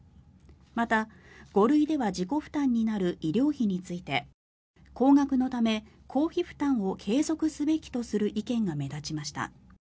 また、５類では自己負担になる医療費について高額のため、公費負担を継続すべきとする意見が目立ちました。